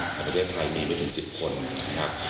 ในประเทศไทยมีไม่ถึง๑๐คนนะครับ